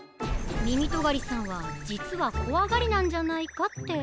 みみとがりさんはじつはこわがりなんじゃないかって。